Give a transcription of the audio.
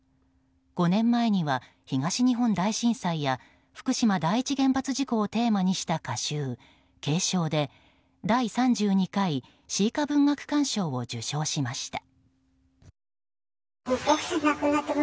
５年前には、東日本大震災や福島第一原発事故をテーマにした歌集「警鐘」で第３２回詩歌文学館賞を受賞しました。